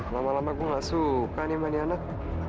lama lama gua gak suka nih mani anak